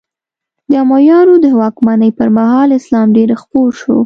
د امویانو د واکمنۍ پر مهال اسلام ډېر خپور شو.